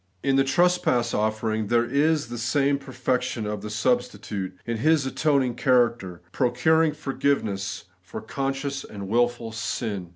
In the trespass offering there is the same perfec tion of the substitute, in His atoning character, pro curing forgiveness for conscious and wilful sin.